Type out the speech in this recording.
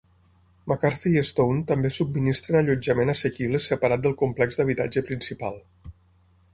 McCarthy i Stone també subministren allotjament assequible separat del complex d'habitatge principal.